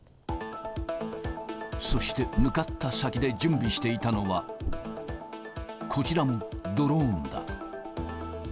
そして、向かった先で準備していたのは、こちらもドローンだ。